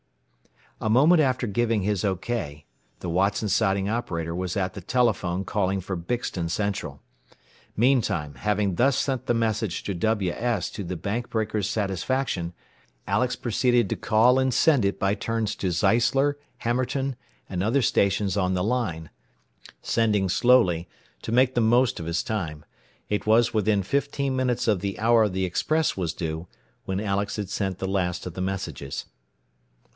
A moment after giving his "OK" the Watson Siding operator was at the telephone calling for Bixton central. Meantime, having thus sent the message to WS to the bank breakers' satisfaction, Alex proceeded to call and send it by turns to Zeisler, Hammerton, and other stations on the line. Sending slowly, to make the most of his time, it was within fifteen minutes of the hour the express was due when Alex had sent the last of the messages.